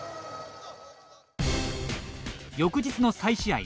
翌日の再試合。